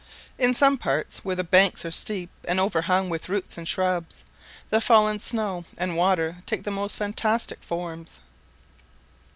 In some parts where the banks are steep and overhung with roots and shrubs, the fallen snow and water take the most fantastic forms.